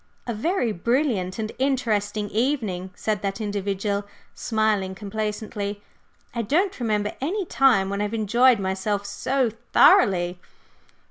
"A very brilliant and interesting evening!" said that individual, smiling complacently. "I don't remember any time when I have enjoyed myself so thoroughly."